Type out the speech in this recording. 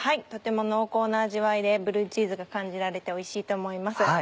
とても濃厚な味わいでブルーチーズが感じられておいしいと思います。